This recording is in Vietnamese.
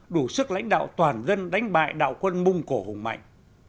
đủ sức lãnh đạo toàn dân đánh bại đạo quân mông cổ hùng mạnh